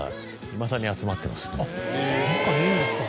仲いいんですか。